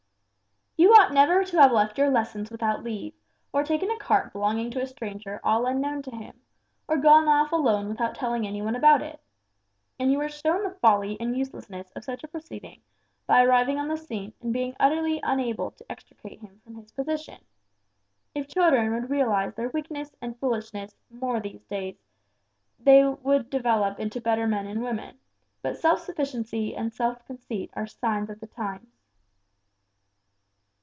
"You ought never to have left your lessons without leave, or taken a cart belonging to a stranger all unknown to him, or gone off alone without telling any one about it. And you were shown the folly and uselessness of such a proceeding by arriving on the scene and being utterly unable to extricate him from his position. If children would realize their weakness and foolishness more in these days, they would develop into better men and women, but self sufficiency and self conceit are signs of the times!"